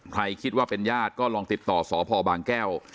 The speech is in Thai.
คิดว่าเป็นญาติก็ลองติดต่อสพบางแก้ว